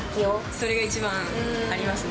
それが一番ありますね。